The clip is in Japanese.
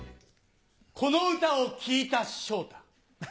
この歌を聴いた昇太。